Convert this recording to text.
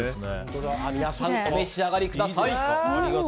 お召し上がりください。